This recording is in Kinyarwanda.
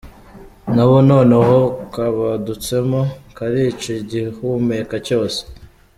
Nabo noneho kabadutsemo, karica igihumeka cyose.